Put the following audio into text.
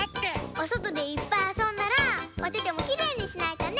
おそとでいっぱいあそんだらおててもきれいにしないとね！